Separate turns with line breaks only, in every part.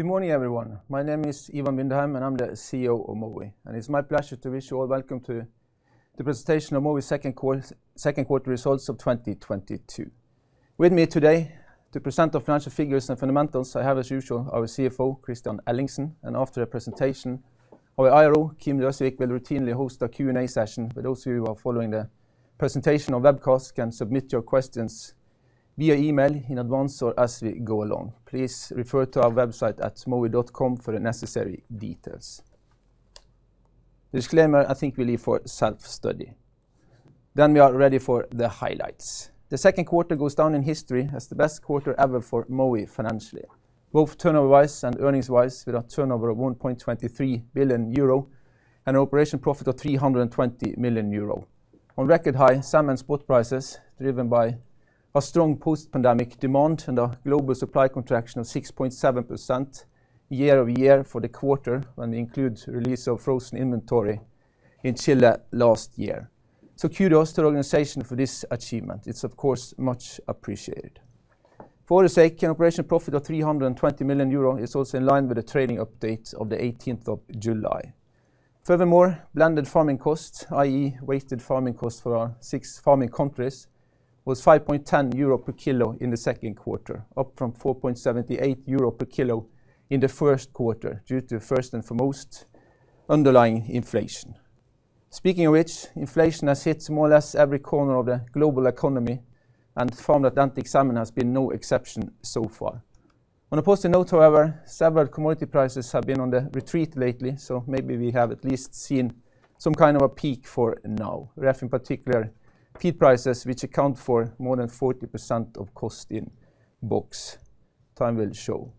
Good morning, everyone. My name is Ivan Vindheim, and I'm the CEO of Mowi, and it's my pleasure to wish you all welcome to the presentation of Mowi's second quarter results of 2022. With me today to present our financial figures and fundamentals, I have, as usual, our CFO, Kristian Ellingsen, and after the presentation, our IRO, Kim Galtung Døsvig, will routinely host a Q&A session. Those of you who are following the presentation on webcast can submit your questions via email in advance or as we go along. Please refer to our website at mowi.com for the necessary details. Disclaimer, I think we leave for self-study. We are ready for the highlights. The second quarter goes down in history as the best quarter ever for Mowi financially, both turnover-wise and earnings-wise, with a turnover of 1.23 billion euro and an operating profit of 320 million euro. On record-high salmon spot prices driven by a strong post-pandemic demand and a global supply contraction of 6.7% year-over-year for the quarter when it includes release of frozen inventory in Chile last year. Kudos to the organization for this achievement. It's, of course, much appreciated. For our sake, an operating profit of 320 million euro is also in line with the trading updates of the eighteenth of July. Furthermore, blended farming costs, i.e., weighted farming costs for our six farming countries, was 5.10 euro per kilo in the second quarter, up from 4.78 euro per kilo in the first quarter, due to first and foremost underlying inflation. Speaking of which, inflation has hit more or less every corner of the global economy, and farmed Atlantic salmon has been no exception so far. On a positive note, however, several commodity prices have been on the retreat lately, so maybe we have at least seen some kind of a peak for now. Feed in particular, feed prices, which account for more than 40% of costs in the books. Time will show.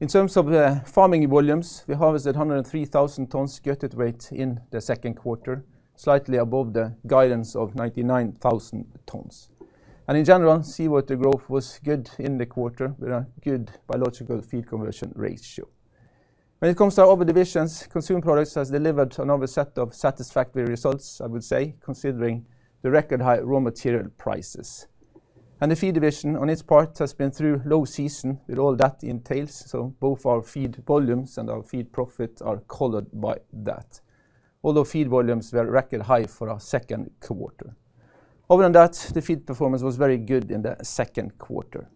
In terms of the farming volumes, we harvested 103,000 tonnes gutted weight in the second quarter, slightly above the guidance of 99,000 tonnes. In general, seawater growth was good in the quarter with a good biological feed conversion ratio. When it comes to our other divisions, Consumer Products has delivered another set of satisfactory results, I would say, considering the record high raw material prices. The Feed division on its part has been through low season with all that entails, so both our feed volumes and our feed profit are colored by that. Although feed volumes were record high for our second quarter. Other than that, the feed performance was very good in the second quarter.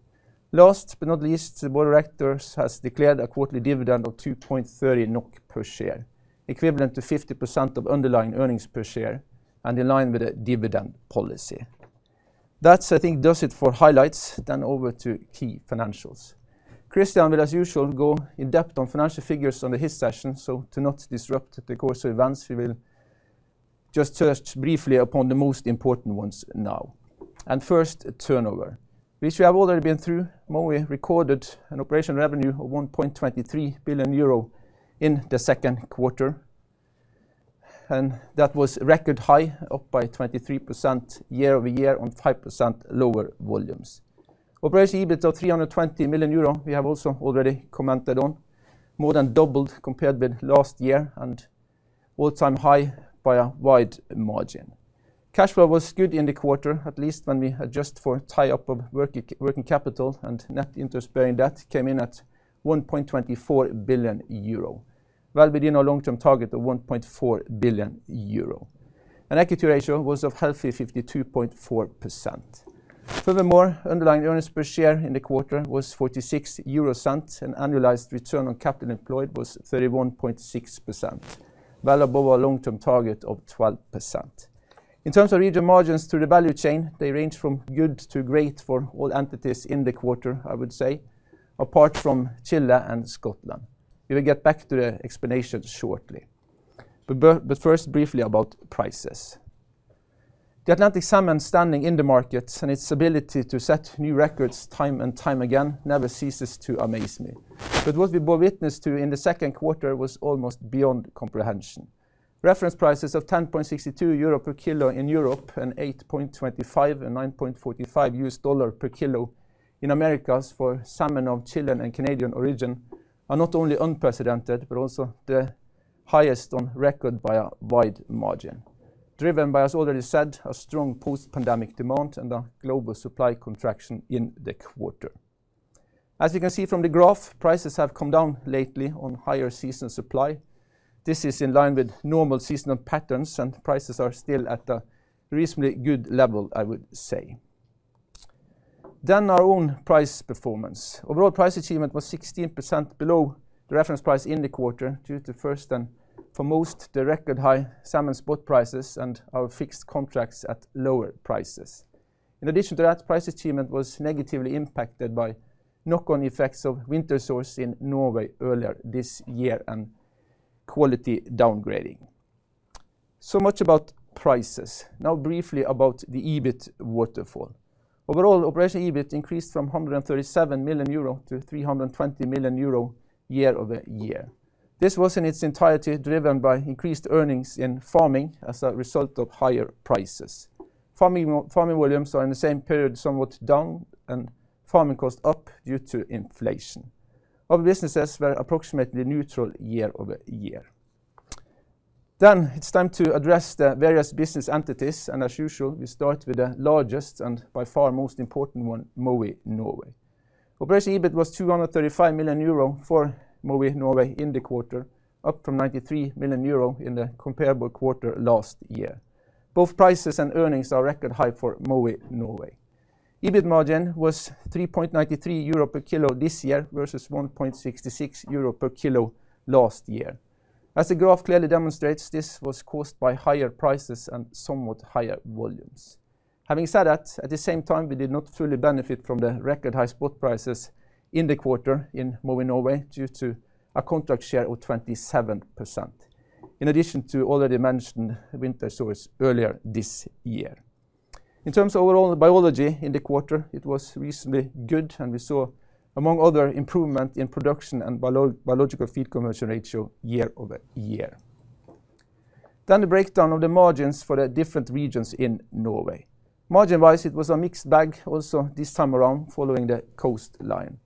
Last but not least, the board of directors has declared a quarterly dividend of 2.30 NOK per share, equivalent to 50% of underlying earnings per share and in line with the dividend policy. That, I think, does it for highlights. Over to key financials. Kristian will, as usual, go in-depth on financial figures under his session. To not disrupt the course of events, we will just touch briefly upon the most important ones now. First, turnover, which we have already been through. Mowi recorded an operational revenue of 1.23 billion euro in the second quarter, and that was record high, up by 23% year-over-year on 5% lower volumes. Operating EBIT of 320 million euro, we have also already commented on, more than doubled compared with last year and all-time high by a wide margin. Cash flow was good in the quarter, at least when we adjust for tie-up of working capital and net interest-bearing debt came in at 1.24 billion euro. Well within our long-term target of 1.4 billion euro. Equity ratio was of healthy 52.4%. Furthermore, underlying earnings per share in the quarter was 0.46, and annualized return on capital employed was 31.6%. Well above our long-term target of 12%. In terms of regional margins through the value chain, they range from good to great for all entities in the quarter, I would say, apart from Chile and Scotland. We will get back to the explanation shortly. First, briefly about prices. The Atlantic salmon standing in the markets and its ability to set new records time and time again never ceases to amaze me. What we bore witness to in the second quarter was almost beyond comprehension. Reference prices of 10.62 euro per kilo in Europe and $8.25-$9.45 per kilo in the Americas for salmon of Chilean and Canadian origin are not only unprecedented, but also the highest on record by a wide margin, driven by, as already said, a strong post-pandemic demand and a global supply contraction in the quarter. As you can see from the graph, prices have come down lately on higher seasonal supply. This is in line with normal seasonal patterns, and prices are still at a reasonably good level, I would say. Our own price performance. Overall price achievement was 16% below the reference price in the quarter due to first and foremost the record high salmon spot prices and our fixed contracts at lower prices. In addition to that, price achievement was negatively impacted by knock-on effects of winter sores in Norway earlier this year and quality downgrading. Much about prices. Now briefly about the EBIT waterfall. Overall, operational EBIT increased from 137 million euro to 320 million euro year-over-year. This was in its entirety driven by increased earnings in farming as a result of higher prices. Farming volumes are in the same period, somewhat down, and farming costs up due to inflation. Other businesses were approximately neutral year-over-year. It's time to address the various business entities, and as usual, we start with the largest and by far most important one, Mowi Norway. Operational EBIT was 235 million euro for Mowi Norway in the quarter, up from 93 million euro in the comparable quarter last year. Both prices and earnings are record high for Mowi Norway. EBIT margin was 3.93 euro per kilo this year versus 1.66 euro per kilo last year. As the graph clearly demonstrates, this was caused by higher prices and somewhat higher volumes. Having said that, at the same time, we did not fully benefit from the record high spot prices in the quarter in Mowi Norway due to a contract share of 27%, in addition to already mentioned winter sores earlier this year. In terms of overall biology in the quarter, it was reasonably good, and we saw, among other improvement in production and biological feed conversion ratio year-over-year. The breakdown of the margins for the different regions in Norway. Margin-wise, it was a mixed bag also this time around following the coastline.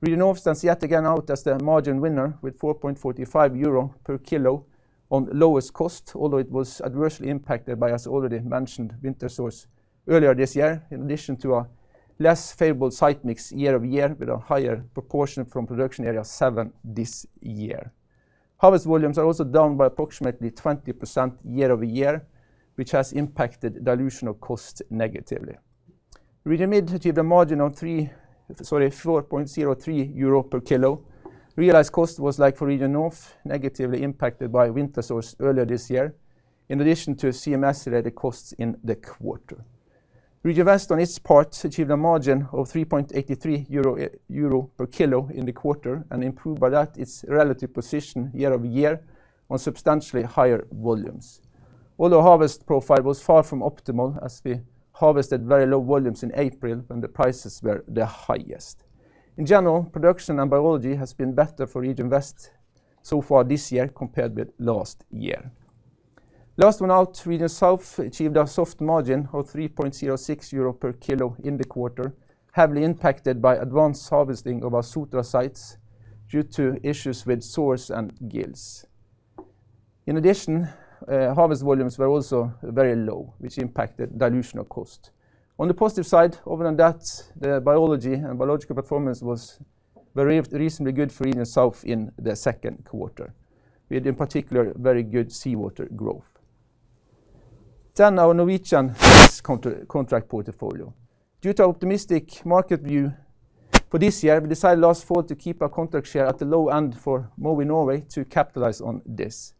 Region North stands yet again out as the margin winner with 4.45 euro per kilo on lowest cost, although it was adversely impacted by, as already mentioned, winter sores earlier this year, in addition to a less favorable site mix year-over-year with a higher proportion from production area seven this year. Harvest volumes are also down by approximately 20% year-over-year, which has impacted dilution of cost negatively. Region Mid achieved a margin of 4.03 euro per kilo. Realized cost was like for Region North, negatively impacted by winter sores earlier this year, in addition to CMS-related costs in the quarter. Region West on its part, achieved a margin of 3.83 euro per kilo in the quarter and improved by that its relative position year-over-year on substantially higher volumes. Although harvest profile was far from optimal as we harvested very low volumes in April when the prices were the highest. In general, production and biology has been better for Region West so far this year compared with last year. Lastly, Region South achieved a spot margin of 3.06 euro per kilo in the quarter, heavily impacted by advanced harvesting of our Sotra sites due to issues with sores and gills. In addition, harvest volumes were also very low, which impacted dilution of cost. On the positive side other than that, the biology and biological performance was very reasonably good for Region South in the second quarter, with, in particular, very good seawater growth. Our Norwegian contract portfolio. Due to optimistic market view for this year, we decided last fall to keep our contract share at the low end for Mowi Norway to capitalize on this.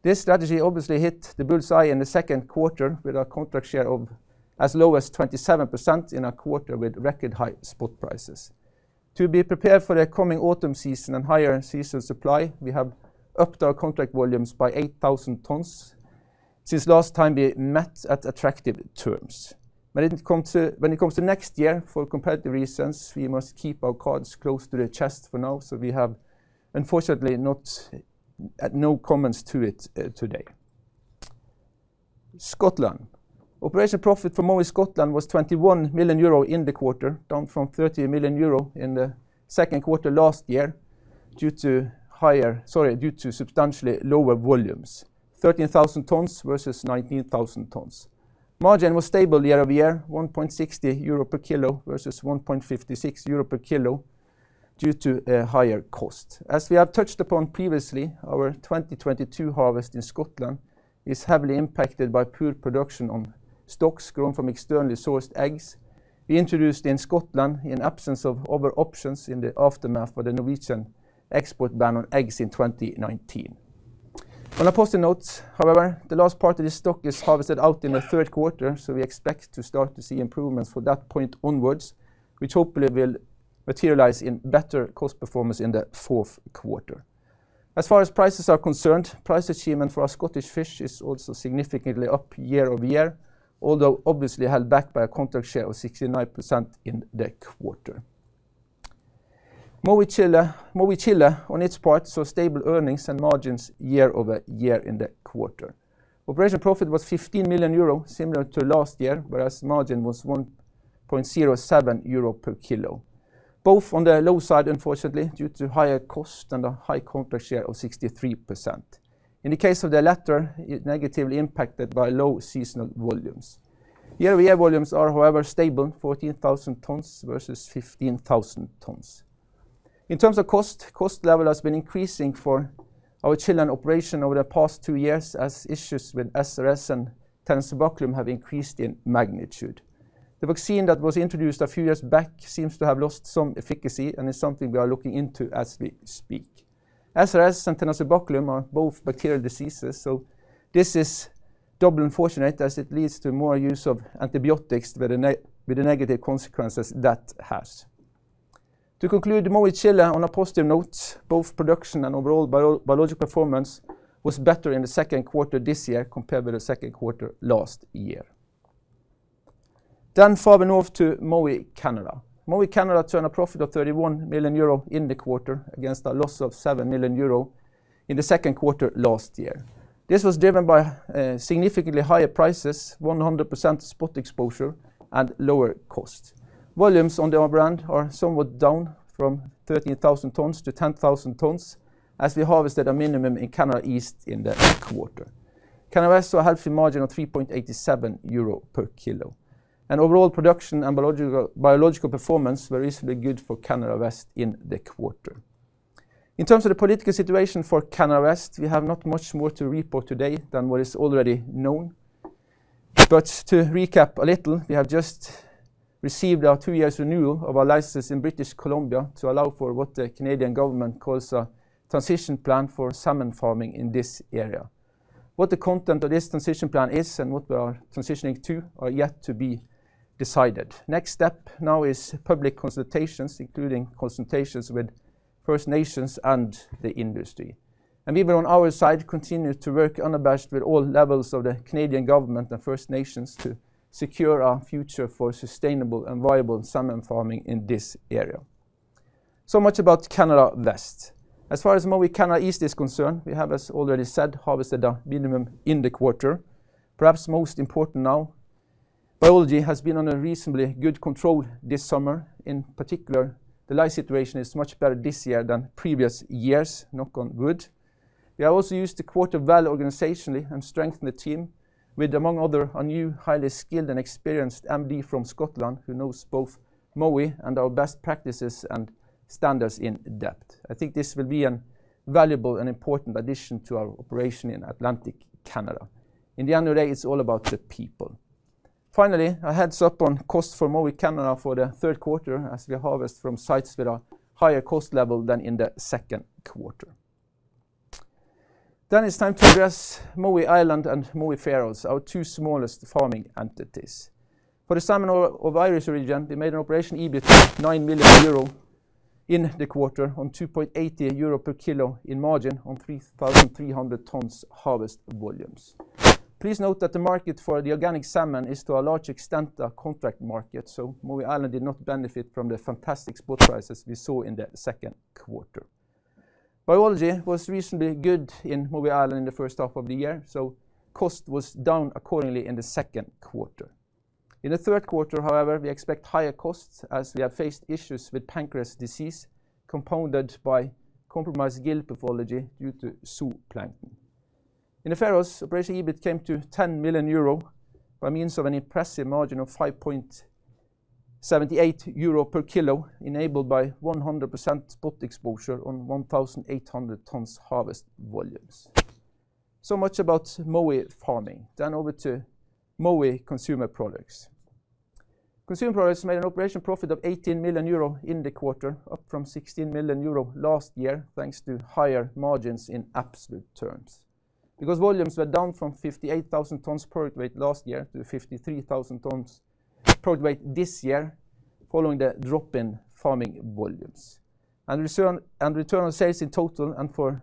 This strategy obviously hit the bull's eye in the second quarter with our contract share of as low as 27% in a quarter with record high spot prices. To be prepared for the coming autumn season and higher season supply, we have upped our contract volumes by 8,000 tons since last time we met at attractive terms. When it comes to next year, for competitive reasons, we must keep our cards close to the chest for now, so we have unfortunately no comments to it today. Scotland. Operating profit for Mowi Scotland was 21 million euro in the quarter, down from 30 million euro in the second quarter last year, due to substantially lower volumes. 13,000 tons versus 19,000 tons. Margin was stable year over year, 1.60 euro per kilo versus 1.56 euro per kilo due to a higher cost. Our 2022 harvest in Scotland is heavily impacted by poor production on stocks grown from externally sourced eggs we introduced in Scotland in absence of other options in the aftermath of the Norwegian export ban on eggs in 2019. On a positive note, however, the last part of this stock is harvested out in the third quarter, so we expect to start to see improvements from that point onwards, which hopefully will materialize in better cost performance in the fourth quarter. As far as prices are concerned, price achievement for our Scottish fish is also significantly up year-over-year, although obviously held back by a contract share of 69% in the quarter. Mowi Chile. Mowi Chile, on its part, saw stable earnings and margins year-over-year in the quarter. Operating profit was 15 million euro, similar to last year, whereas margin was 1.07 euro per kilo. Both on the low side, unfortunately, due to higher cost and a high contract share of 63%. In the case of the latter, it negatively impacted by low seasonal volumes. Year-over-year volumes are, however, stable 14,000 tons versus 15,000 tons. In terms of cost level has been increasing for our Chilean operation over the past two years as issues with SRS and Tenacibaculum have increased in magnitude. The vaccine that was introduced a few years back seems to have lost some efficacy, and it's something we are looking into as we speak. SRS and Tenacibaculum are both bacterial diseases, so this is double unfortunate as it leads to more use of antibiotics with the negative consequences that has. To conclude Mowi Chile on a positive note, both production and overall biological performance was better in the second quarter this year compared with the second quarter last year. Farther north to Mowi Canada. Mowi Canada turned a profit of 31 million euro in the quarter against a loss of 7 million euro in the second quarter last year. This was driven by significantly higher prices, 100% spot exposure, and lower cost. Volumes on the brand are somewhat down from 13,000 tons to 10,000 tons as we harvested a minimum in Canada East in the quarter. Canada West saw a healthy margin of 3.87 euro per kilo, and overall production and biological performance were reasonably good for Canada West in the quarter. In terms of the political situation for Canada West, we have not much more to report today than what is already known. To recap a little, we have just received our 2 years renewal of our license in British Columbia to allow for what the Canadian government calls a transition plan for salmon farming in this area. What the content of this transition plan is and what we are transitioning to are yet to be decided. Next step now is public consultations, including consultations with First Nations and the industry. We will, on our side, continue to work unabashed with all levels of the Canadian government and First Nations to secure our future for sustainable and viable salmon farming in this area. Much about Mowi Canada West. As far as Mowi Canada East is concerned, we have, as already said, harvested a minimum in the quarter. Perhaps most important now, biology has been under reasonably good control this summer. In particular, the lice situation is much better this year than previous years. Knock on wood. We have also used the quarter well organizationally and strengthened the team with, among other, a new highly skilled and experienced MD from Scotland who knows both Mowi and our best practices and standards in-depth. I think this will be a valuable and important addition to our operation in Atlantic Canada. At the end of the day, it's all about the people. Finally, a heads up on cost for Mowi Canada for the third quarter as we harvest from sites with a higher cost level than in the second quarter. It's time to address Mowi Ireland and Mowi Faroes, our two smallest farming entities. For the salmon of Mowi Ireland, we made an operational EBIT of 9 million euro in the quarter on 2.80 euro per kilo in margin on 3,300 tons harvest volumes. Please note that the market for the organic salmon is, to a large extent, a contract market, so Mowi Ireland did not benefit from the fantastic spot prices we saw in the second quarter. Biology was reasonably good in Mowi Ireland in the first half of the year, so cost was down accordingly in the second quarter. In the third quarter, however, we expect higher costs as we have faced issues with Pancreas Disease, compounded by compromised gill pathology due to zooplankton. In the Faroes, operational EBIT came to 10 million euro by means of an impressive margin of 5.78 euro per kilo enabled by 100% spot exposure on 1,800 tons harvest volumes. Much about Mowi farming. Over to Mowi Consumer Products. Consumer Products made an operational profit of 18 million euro in the quarter, up from 16 million euro last year, thanks to higher margins in absolute terms. Because volumes were down from 58,000 tons product weight last year to 53,000 tons product weight this year, following the drop in farming volumes. Return on sales in total and for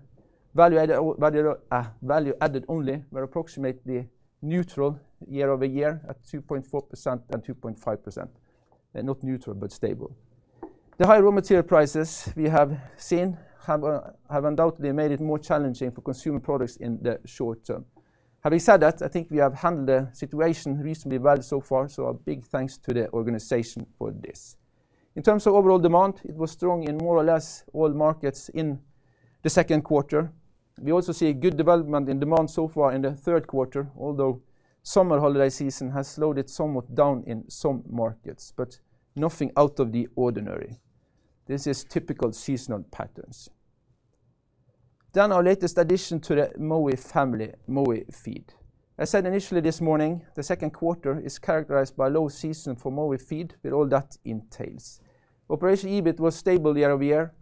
value added, value added only were approximately neutral year-over-year at 2.4% and 2.5%. Not neutral, but stable. The high raw material prices we have seen have undoubtedly made it more challenging for consumer products in the short term. Having said that, I think we have handled the situation reasonably well so far, so a big thanks to the organization for this. In terms of overall demand, it was strong in more or less all markets in the second quarter. We also see a good development in demand so far in the third quarter, although summer holiday season has slowed it somewhat down in some markets, but nothing out of the ordinary. This is typical seasonal patterns. Our latest addition to the Mowi family, Mowi Feed. I said initially this morning, the second quarter is characterized by low season for Mowi Feed with all that entails. Operational EBIT was stable year over year,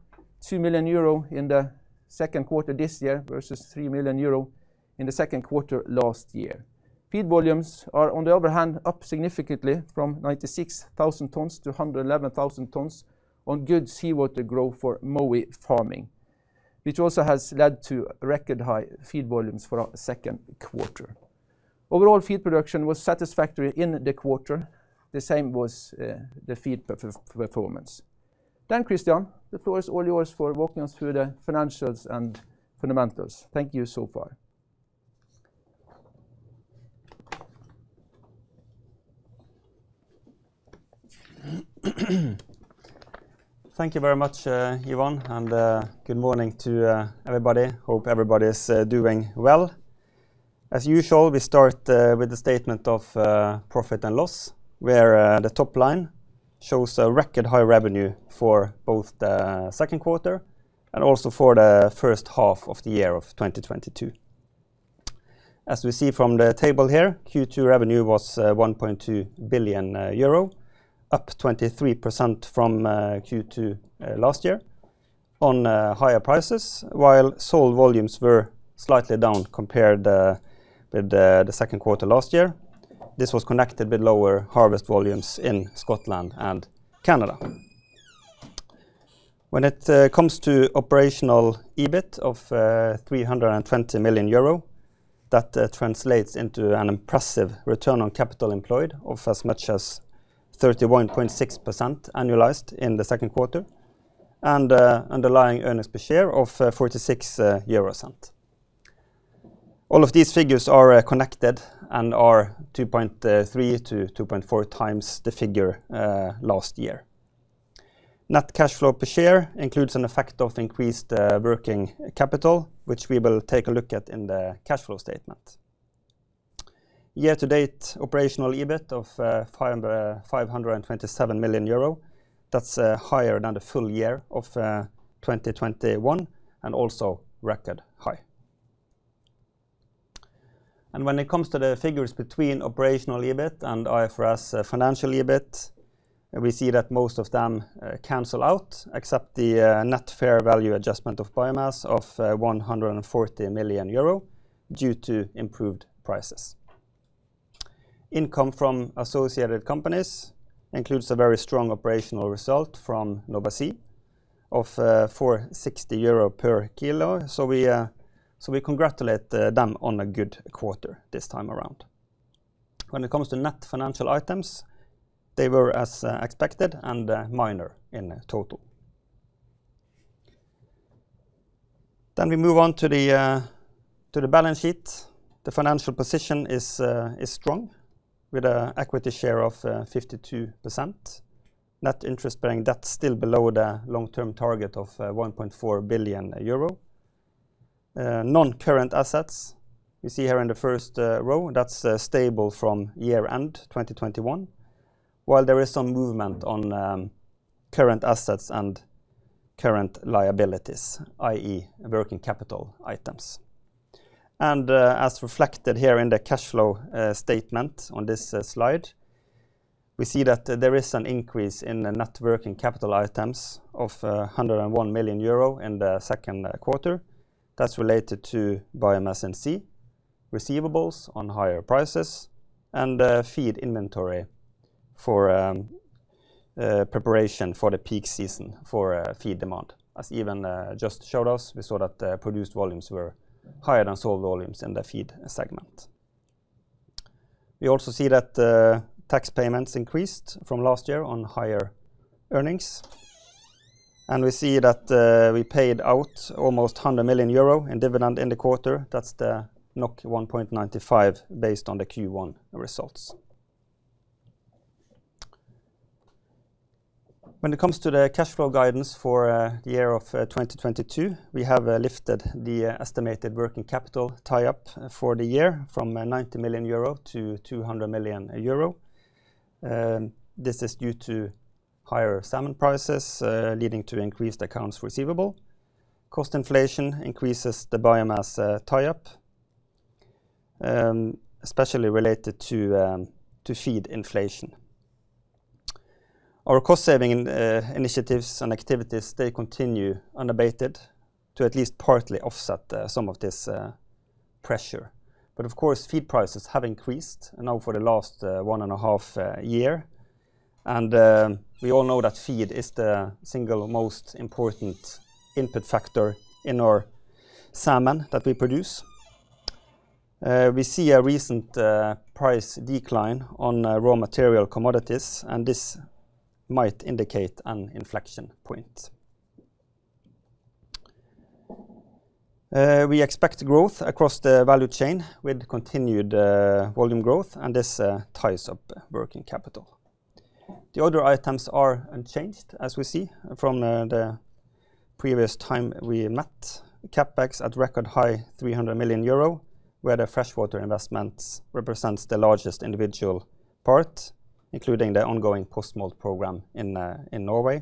2 million euro in the second quarter this year versus 3 million euro in the second quarter last year. Feed volumes are, on the other hand, up significantly from 96,000 tons to 111,000 tons on good seawater growth for Mowi farming, which also has led to record high feed volumes for our second quarter. Overall feed production was satisfactory in the quarter. The same was the feed performance. Kristian, the floor is all yours for walking us through the financials and fundamentals. Thank you so far.
Thank you very much, Ivan, and good morning to everybody. Hope everybody is doing well. As usual, we start with the statement of profit and loss, where the top line shows a record high revenue for both the second quarter and also for the first half of the year of 2022. As we see from the table here, Q2 revenue was 1.2 billion euro, up 23% from Q2 last year on higher prices, while sold volumes were slightly down compared with the second quarter last year. This was connected with lower harvest volumes in Scotland and Canada. When it comes to operational EBIT of 320 million euro, that translates into an impressive return on capital employed of as much as 31.6% annualized in the second quarter and underlying earnings per share of 0.46. All of these figures are connected and are 2.3-2.4 times the figure last year. Net cash flow per share includes an effect of increased working capital, which we will take a look at in the cash flow statement. Year-to-date operational EBIT of 527 million euro. That's higher than the full year of 2021 and also record high. When it comes to the figures between operational EBIT and IFRS financial EBIT, we see that most of them cancel out, except the net fair value adjustment of biomass of 140 million euro due to improved prices. Income from associated companies includes a very strong operational result from Nova Sea of 460 euro per kilo. So we congratulate them on a good quarter this time around. When it comes to net financial items, they were as expected and minor in total. We move on to the balance sheet. The financial position is strong with equity share of 52%. Net interest-bearing debt still below the long-term target of 1.4 billion euro. Non-current assets, you see here in the first row, that's stable from year-end 2021, while there is some movement on current assets and current liabilities, i.e. working capital items. As reflected here in the cash flow statement on this slide, we see that there is an increase in the net working capital items of 101 million euro in the second quarter. That's related to BiomassNC, receivables on higher prices, and feed inventory for preparation for the peak season for feed demand. As Ivan just showed us, we saw that the produced volumes were higher than sold volumes in the feed segment. We also see that tax payments increased from last year on higher earnings. We see that we paid out almost 100 million euro in dividend in the quarter. That's the 1.95 based on the Q1 results. When it comes to the cash flow guidance for the year of 2022, we have lifted the estimated working capital tie-up for the year from 90 million euro to 200 million euro. This is due to higher salmon prices leading to increased accounts receivable. Cost inflation increases the biomass tie-up, especially related to feed inflation. Our cost-saving initiatives and activities, they continue unabated to at least partly offset some of this pressure. Of course, feed prices have increased now for the last 1.5 year, and we all know that feed is the single most important input factor in our salmon that we produce. We see a recent price decline on raw material commodities, and this might indicate an inflection point. We expect growth across the value chain with continued volume growth, and this ties up working capital. The other items are unchanged as we see from the previous time we met. CapEx at record high 300 million euro, where the freshwater investments represents the largest individual part, including the ongoing post-smolt program in Norway.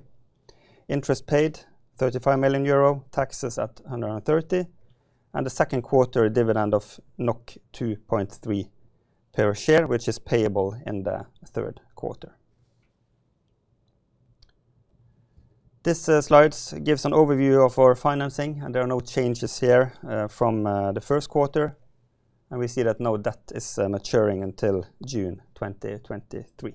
Interest paid 35 million euro, taxes at 130 million, and the second quarter dividend of 2.3 per share, which is payable in the third quarter. This slide gives an overview of our financing, and there are no changes here from the first quarter, and we see that no debt is maturing until June 2023.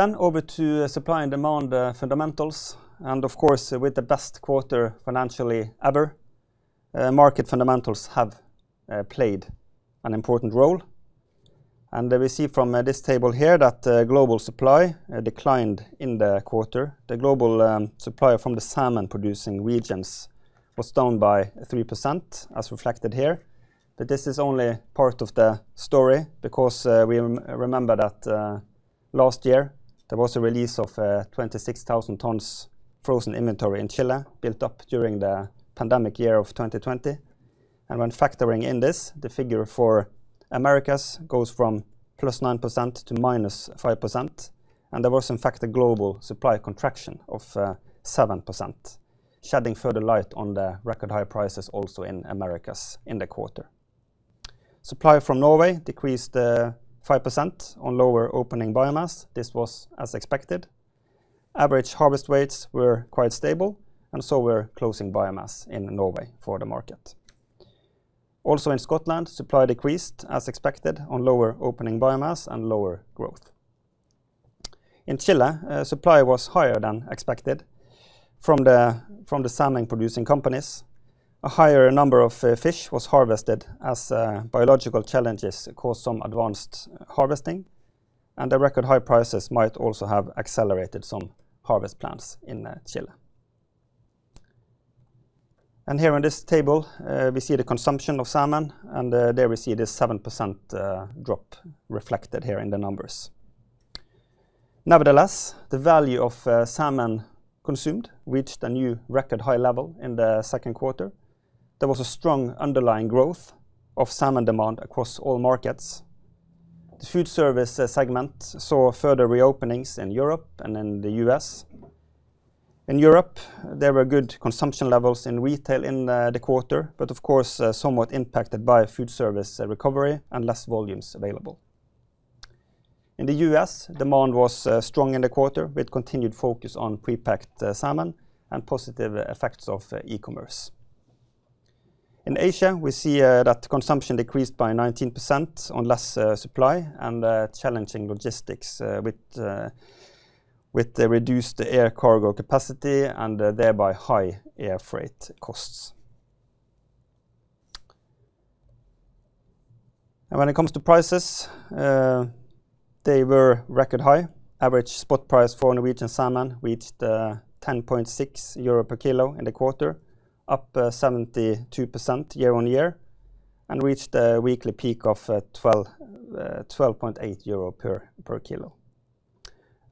Over to supply and demand fundamentals, and of course, with the best quarter financially ever, market fundamentals have played an important role. We see from this table here that global supply declined in the quarter. The global supply from the salmon-producing regions was down by 3%, as reflected here. This is only part of the story because we remember that last year, there was a release of 26,000 tons frozen inventory in Chile built up during the pandemic year of 2020. When factoring in this, the figure for Americas goes from +9% to -5%, and there was in fact a global supply contraction of 7%, shedding further light on the record high prices also in Americas in the quarter. Supply from Norway decreased 5% on lower opening biomass. This was as expected. Average harvest weights were quite stable, and so were closing biomass in Norway for the market. Also in Scotland, supply decreased as expected on lower opening biomass and lower growth. In Chile, supply was higher than expected from the salmon-producing companies. A higher number of fish was harvested as biological challenges caused some advanced harvesting, and the record high prices might also have accelerated some harvest plans in Chile. Here on this table, we see the consumption of salmon, and there we see the 7% drop reflected here in the numbers. Nevertheless, the value of salmon consumed reached a new record high level in the second quarter. There was a strong underlying growth of salmon demand across all markets. The food service segment saw further reopenings in Europe and in the US. In Europe, there were good consumption levels in retail in the quarter, but of course, somewhat impacted by food service recovery and less volumes available. In the US, demand was strong in the quarter with continued focus on pre-packed salmon and positive effects of e-commerce. In Asia, we see that consumption decreased by 19% on less supply and challenging logistics with the reduced air cargo capacity and thereby high air freight costs. When it comes to prices, they were record high. Average spot price for Norwegian salmon reached 10.6 euro per kilo in the quarter, up 72% year-on-year, and reached a weekly peak of 12.8 euro per kilo.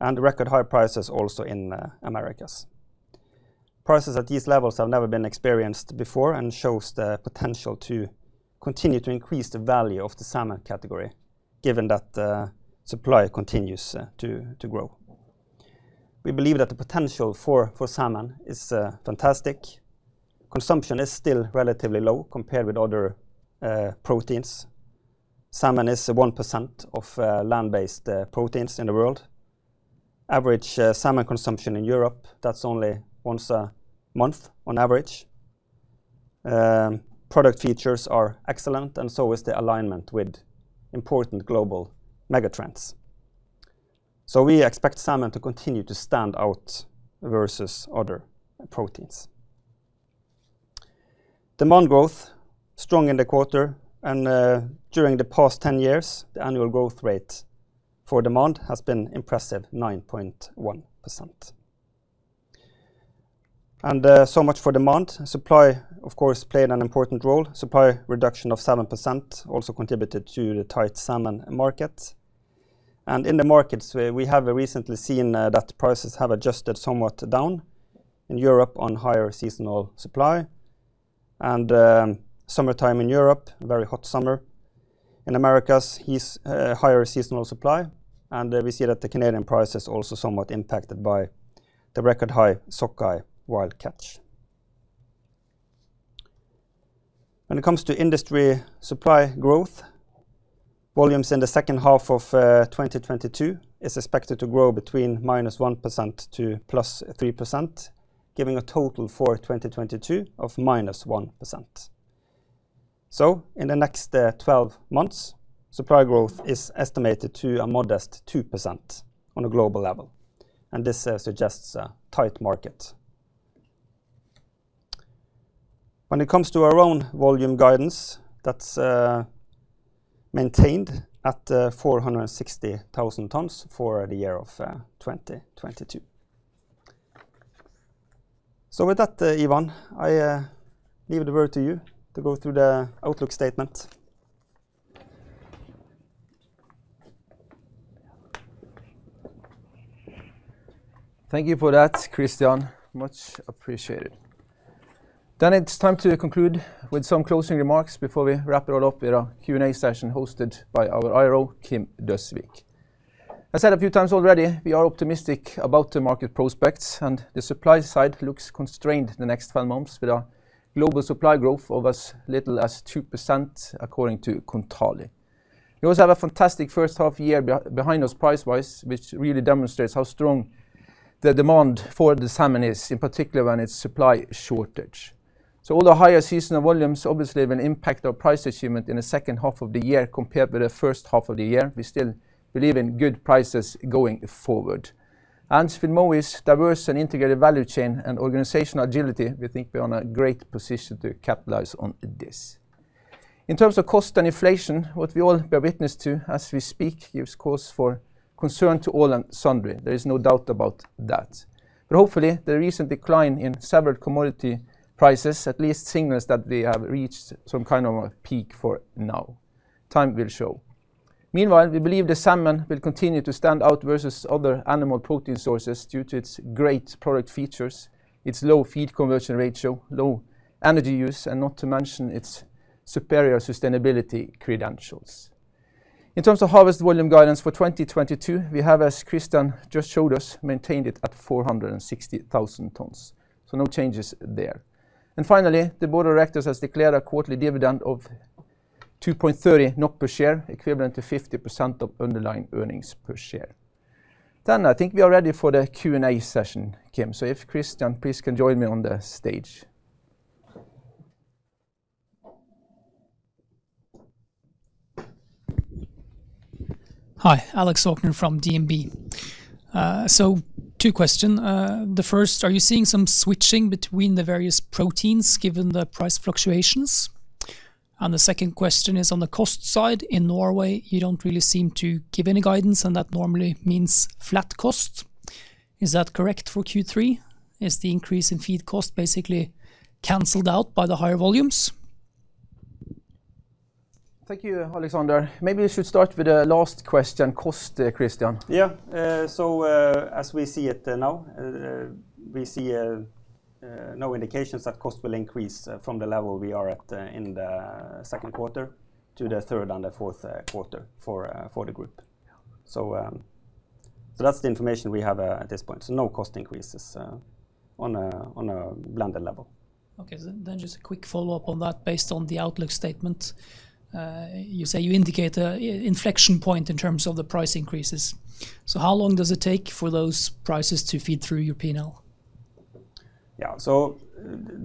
Record high prices also in Americas. Prices at these levels have never been experienced before and shows the potential to continue to increase the value of the salmon category given that the supply continues to grow. We believe that the potential for salmon is fantastic. Consumption is still relatively low compared with other proteins. Salmon is 1% of land-based proteins in the world. Average salmon consumption in Europe, that's only once a month on average. Product features are excellent, and so is the alignment with important global megatrends. We expect salmon to continue to stand out versus other proteins. Demand growth, strong in the quarter, and during the past 10 years, the annual growth rate for demand has been impressive, 9.1%. So much for demand. Supply, of course, played an important role. Supply reduction of 7% also contributed to the tight salmon market. In the markets, we have recently seen that prices have adjusted somewhat down in Europe on higher seasonal supply and summertime in Europe, very hot summer. In Americas, higher seasonal supply, and we see that the Canadian price is also somewhat impacted by the record high Sockeye wild catch. When it comes to industry supply growth, volumes in the second half of 2022 is expected to grow between -1% to +3%, giving a total for 2022 of -1%. In the next 12 months, supply growth is estimated to a modest 2% on a global level, and this suggests a tight market. When it comes to our own volume guidance, that's maintained at 460,000 tons for the year of 2022. With that, Ivan, I leave the word to you to go through the outlook statement.
Thank you for that, Kristian. Much appreciated. It's time to conclude with some closing remarks before we wrap it all up with a Q&A session hosted by our IRO, Kim Galtung Døsvig. I said a few times already, we are optimistic about the market prospects, and the supply side looks constrained in the next 12 months with a global supply growth of as little as 2% according to Kontali. We also have a fantastic first half year behind us price-wise, which really demonstrates how strong the demand for the salmon is, in particular when it's supply shortage. All the higher seasonal volumes obviously have an impact on price achievement in the second half of the year compared with the first half of the year. We still believe in good prices going forward. With Mowi's diverse and integrated value chain and organizational agility, we think we're on a great position to capitalize on this. In terms of cost and inflation, what we all bear witness to as we speak gives cause for concern to all and sundry. There is no doubt about that. Hopefully, the recent decline in several commodity prices at least signals that we have reached some kind of a peak for now. Time will show. Meanwhile, we believe the salmon will continue to stand out versus other animal protein sources due to its great product features, its low feed conversion ratio, low energy use, and not to mention its superior sustainability credentials. In terms of harvest volume guidance for 2022, we have, as Kristian just showed us, maintained it at 460,000 tons, so no changes there. Finally, the board of directors has declared a quarterly dividend of 2.30 NOK per share, equivalent to 50% of underlying earnings per share. I think we are ready for the Q&A session, Kim, so if Kristian please can join me on the stage.
Hi, Alexander Aukner from DNB. Two questions. The first, are you seeing some switching between the various proteins given the price fluctuations? The second question is on the cost side. In Norway, you don't really seem to give any guidance, and that normally means flat cost. Is that correct for Q3? Is the increase in feed cost basically canceled out by the higher volumes?
Thank you, Alexander. Maybe we should start with the last question, cost, Kristian.
Yeah. As we see it now, we see no indications that cost will increase from the level we are at in the second quarter to the third and the fourth quarter for the group. That's the information we have at this point. No cost increases on a blended level.
Okay. Just a quick follow-up on that based on the outlook statement. You say you indicate inflection point in terms of the price increases. How long does it take for those prices to feed through your P&L?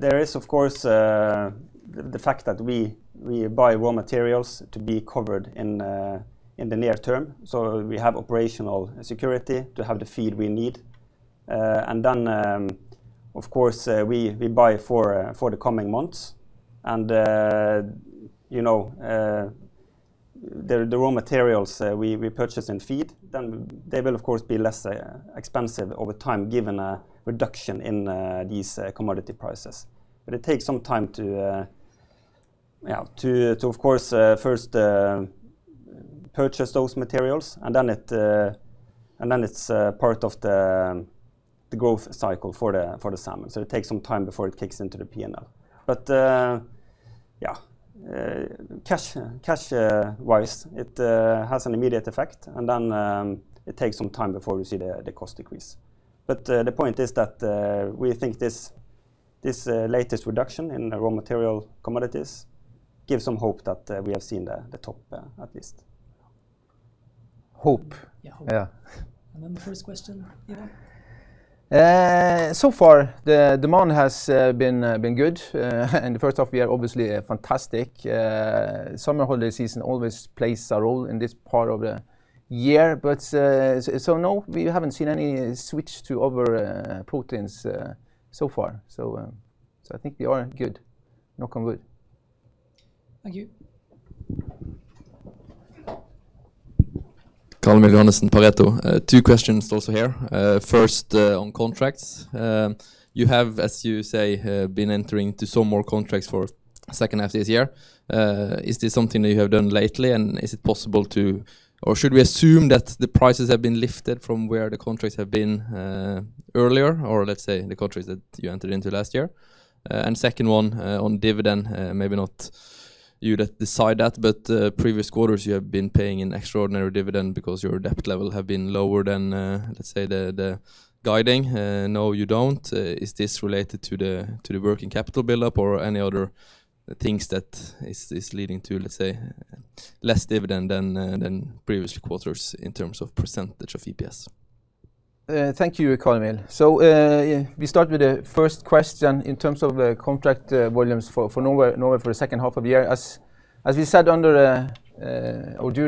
There is, of course, the fact that we buy raw materials to be covered in the near term. We have operational security to have the feed we need. Then, of course, we buy for the coming months. You know, the raw materials we purchase for feed, then they will of course be less expensive over time given a reduction in these commodity prices. It takes some time to, of course, first purchase those materials and then it's part of the growth cycle for the salmon. It takes some time before it kicks into the P&L. Yeah, cash-wise, it has an immediate effect and then it takes some time before you see the cost decrease. The point is that we think this latest reduction in raw material commodities gives some hope that we have seen the top, at least.
Hope.
Yeah. Hope.
Yeah.
The first question, yeah.
So far the demand has been good. The first half year obviously, fantastic. Summer holiday season always plays a role in this part of the year. No, we haven't seen any switch to other proteins so far. I think we are good. Knock on wood.
Thank you.
Carl-Emil Kjølås Johannessen, Pareto Securities. Two questions here. First, on contracts. You have, as you say, been entering into some more contracts for second half this year. Is this something that you have done lately? Or should we assume that the prices have been lifted from where the contracts have been earlier, or let's say the contracts that you entered into last year? Second one, on dividend. Maybe not you decide that, but previous quarters you have been paying an extraordinary dividend because your debt level have been lower than, let's say, the guidance. Now you don't. Is this related to the working capital buildup or any other things that is leading to, let's say, less dividend than previous quarters in terms of percentage of EPS?
Thank you, Carl-Emil Kjølås Johannessen. We start with the first question in terms of the contract volumes for Norway for the second half of the year. As we said during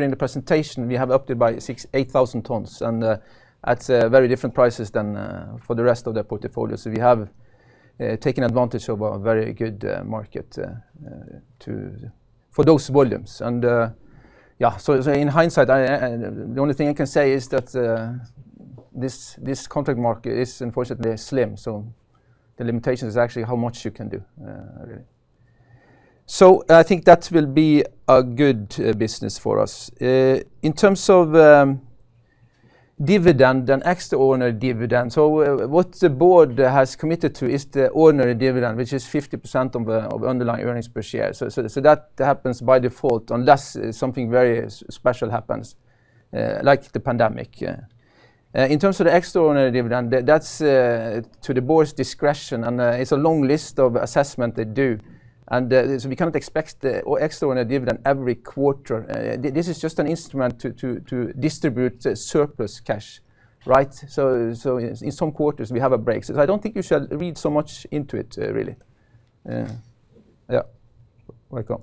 the presentation, we have upped it by 68,000 tons, and at very different prices than for the rest of the portfolio. We have taken advantage of a very good market for those volumes. Yeah, in hindsight, the only thing I can say is that this contract market is unfortunately slim. The limitation is actually how much you can do, really. I think that will be a good business for us. In terms of dividend and extraordinary dividend, what the board has committed to is the ordinary dividend, which is 50% of underlying earnings per share. That happens by default unless something very special happens, like the pandemic. In terms of the extraordinary dividend, that's to the board's discretion, and it's a long list of assessment they do. We can't expect the extraordinary dividend every quarter. This is just an instrument to distribute surplus cash, right? In some quarters we have a break. I don't think you should read so much into it, really. Yeah. Welcome.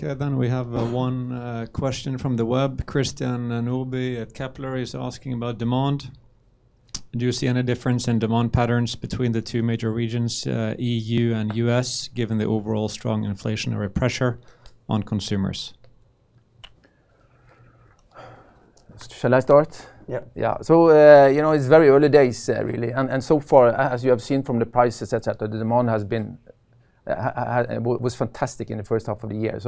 Okay, we have one question from the web. Christian Nordby at Kepler Cheuvreux is asking about demand. Do you see any difference in demand patterns between the two major regions, EU and US, given the overall strong inflationary pressure on consumers?
Shall I start?
Yeah.
Yeah. You know, it's very early days, really, and so far, as you have seen from the prices, et cetera, the demand was fantastic in the first half of the year.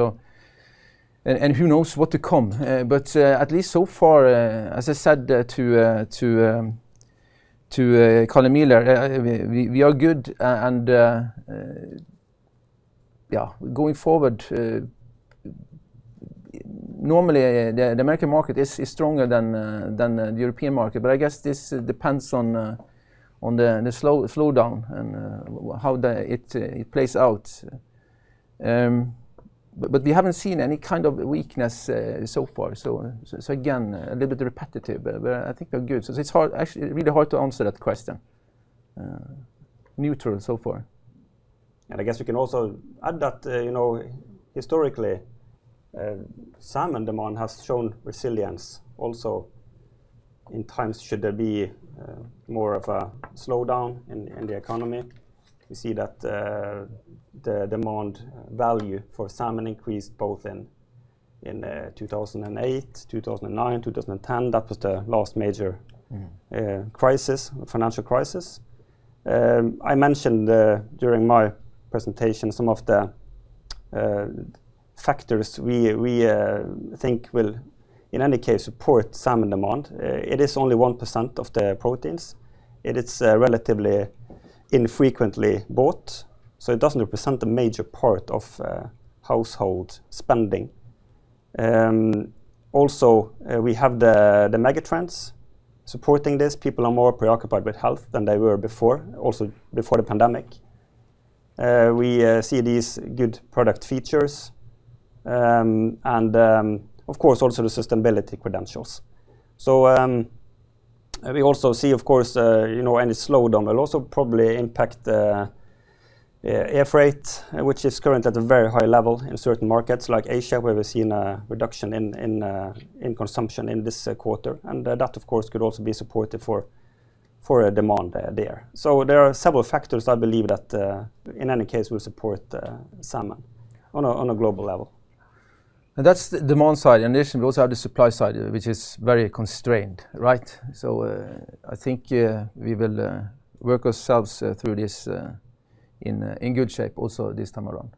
Who knows what to come? But at least so far, as I said to Carl Mel, we are good and yeah. Going forward, normally the American market is stronger than the European market, but I guess this depends on the slowdown and how it plays out. But we haven't seen any kind of weakness so far. Again, a little bit repetitive, but I think we're good. It's hard, actually really hard to answer that question. Neutral so far.
I guess we can also add that, you know, historically, salmon demand has shown resilience also in times should there be more of a slowdown in the economy, you see that the demand value for salmon increased both in 2008, 2009, 2010. That was the last major crisis, financial crisis. I mentioned during my presentation some of the factors we think will in any case support salmon demand. It is only 1% of the proteins, it is relatively infrequently bought, so it doesn't represent a major part of household spending. Also, we have the mega trends supporting this. People are more preoccupied with health than they were before, also before the pandemic. We see these good product features, and of course also the sustainability credentials. We also see of course, you know, any slowdown will also probably impact the air freight, which is current at a very high level in certain markets like Asia, where we've seen a reduction in consumption in this quarter. That of course could also be supportive for a demand there. There are several factors I believe that in any case will support salmon on a global level.
That's the demand side. In addition, we also have the supply side, which is very constrained, right? I think we will work ourselves through this in good shape also this time around.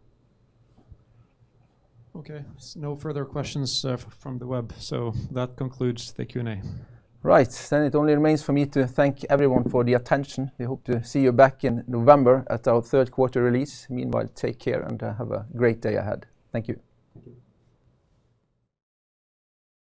Okay. No further questions from the web. That concludes the Q&A.
Right. It only remains for me to thank everyone for the attention. We hope to see you back in November at our third quarter release. Meanwhile, take care and, have a great day ahead. Thank you.
Thank you.